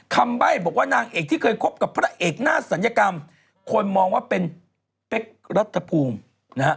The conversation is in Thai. ใบ้บอกว่านางเอกที่เคยคบกับพระเอกหน้าศัลยกรรมคนมองว่าเป็นเป๊กรัฐภูมินะฮะ